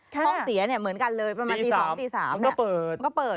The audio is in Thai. ห้องเสียเหมือนกันเลยประมาณตี๒ตี๓มันก็เปิด